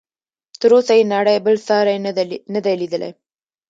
تر اوسه یې نړۍ بل ساری نه دی لیدلی.